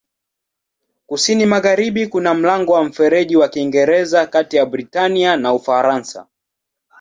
Kusini-magharibi kuna mlango wa Mfereji wa Kiingereza kati ya Britania na Ufaransa.